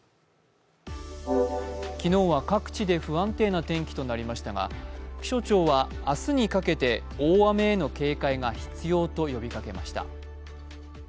昨日は各地で不安定な天気となりましたが気象庁は明日にかけて大雨への警戒が必要と呼びかけました。